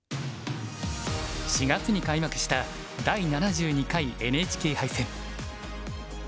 ４月に開幕した第７２回ＮＨＫ杯戦。